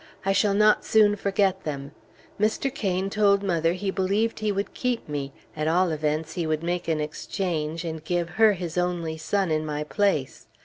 I shall not soon forget them. Mr. Cain told mother he believed he would keep me; at all events, he would make an exchange, and give her his only son in my place.